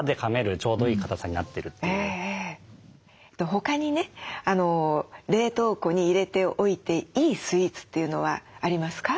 他にね冷凍庫に入れておいていいスイーツというのはありますか？